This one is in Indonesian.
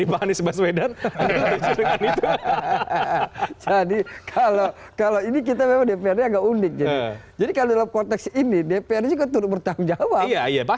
pak anies baswedan jadi kalau kalau ini kita agak unik jadi kalau konteks ini dprd bertanggungjawab